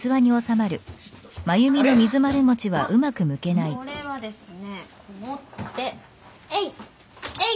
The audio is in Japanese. あっこれはですね持ってえいえい。